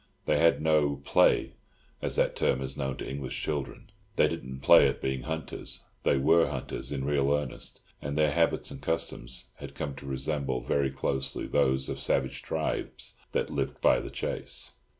They had no "play," as that term is known to English children. They didn't play at being hunters. They were hunters in real earnest, and their habits and customs had come to resemble very closely those of savage tribes that live by the chase.